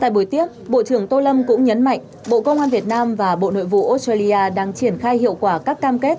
tại buổi tiếp bộ trưởng tô lâm cũng nhấn mạnh bộ công an việt nam và bộ nội vụ australia đang triển khai hiệu quả các cam kết